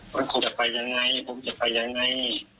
ว่าจะไปยังไงผมจะไปยังไง